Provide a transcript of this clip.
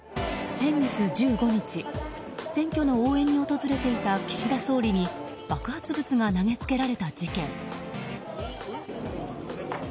先月１５日選挙の応援に訪れていた岸田総理に爆発物が投げつけられた事件。